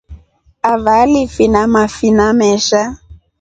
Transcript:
Avaa alifina mafina mesha.